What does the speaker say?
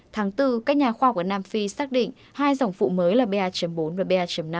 tháng bốn các nhà khoa của nam phi xác định hai dòng phụ mới là ba bốn và ba năm